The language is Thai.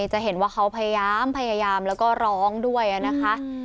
จะเห็นว่าเขาพยายามพยายามแล้วก็ร้องด้วยนะคะ